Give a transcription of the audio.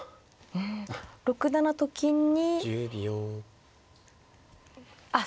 ６七と金にあっ